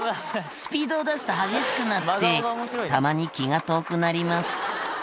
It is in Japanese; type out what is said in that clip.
「スピードを出すと激しくなってたまに気が遠くなります」